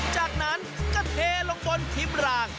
จากนั้นก็เทลงบนทิมราง